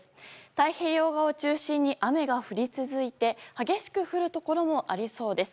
太平洋側を中心に雨が降り続いて激しく降るところもありそうです。